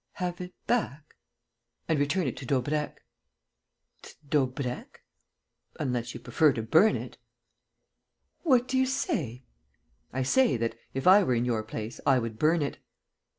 "Have it back?" "And return it to Daubrecq." "To Daubrecq?" "Unless you prefer to burn it." "What do you say?" "I say that, if I were in your place, I would burn it."